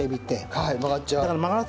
はい曲がっちゃう。